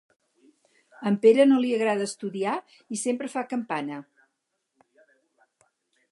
A en Pere no li agrada estudiar i sempre fa campana: